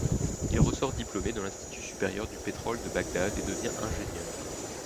Il ressort diplômé de l'Institut supérieur du pétrole de Bagdad et devient ingénieur.